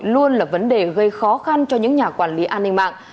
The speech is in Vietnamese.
luôn là vấn đề gây khó khăn cho những nhà quản lý an ninh mạng